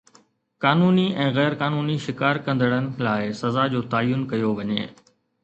قانوني ۽ غير قانوني شڪار ڪندڙن لاءِ سزا جو تعين ڪيو وڃي